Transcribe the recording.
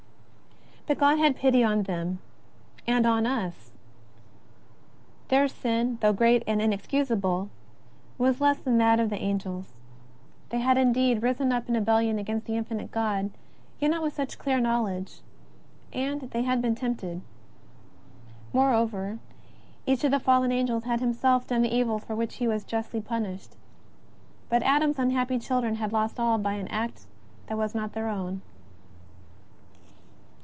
But God had pity on them and on us. Their sin, though great and inexcusable, was less than that of the angels. They had indeed risen up in rebellion against the Infinite God, yet not with such clear knowledge ; and they had been tempted. Moreover, each of the fallen angels had himself done the evil for which he was justly punished. But Adam's unhappy children had lost all by an act that was not their o^vn.